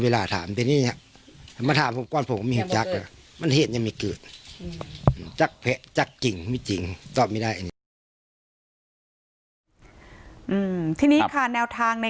หลักหลักเนี่ยก็แยกเอาไว้ว่าคนร้ายอาจจะเป็นคนในพื้นที่บ้านเกาะเกาะ